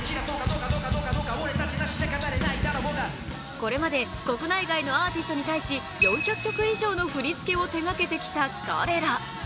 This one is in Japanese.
これまで国内外のアーティストに対し４００曲以上の振り付けを手がけてきた彼ら。